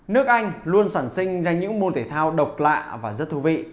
nước anh luôn sản sinh ra những môn thể thao độc lạ và rất thú vị